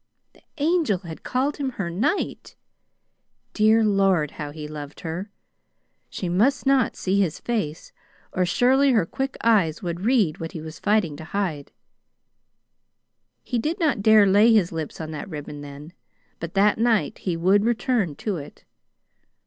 The Angel had called him her knight! Dear Lord, how he loved her! She must not see his face, or surely her quick eyes would read what he was fighting to hide. He did not dare lay his lips on that ribbon then, but that night he would return to it.